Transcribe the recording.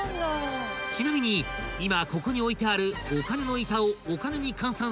［ちなみに今ここに置いてあるお金の板を］